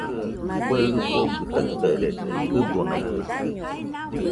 Kue ifɨgɨ taɨtarede, ɨbonaitɨkue